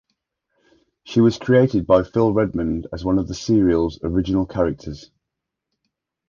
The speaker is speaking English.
She was created by Phil Redmond as one of the serial's original characters.